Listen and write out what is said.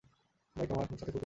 বাইকে আমার সাথে তুমি ছিলে।